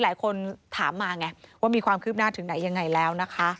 หลายคนถามมาไงว่ามีความคืบหน้าถึงไหนยังไงแล้วนะคะ